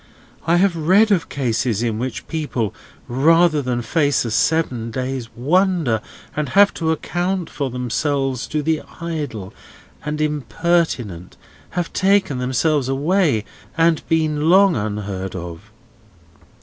I have read of cases in which people, rather than face a seven days' wonder, and have to account for themselves to the idle and impertinent, have taken themselves away, and been long unheard of."